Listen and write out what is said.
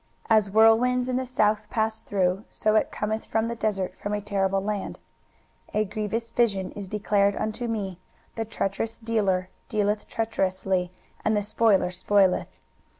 As whirlwinds in the south pass through; so it cometh from the desert, from a terrible land. 23:021:002 A grievous vision is declared unto me; the treacherous dealer dealeth treacherously, and the spoiler spoileth.